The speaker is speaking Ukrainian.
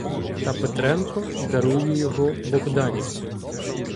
Та Петренко "дарує" його богданівцю.